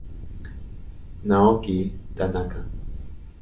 Naoki Tanaka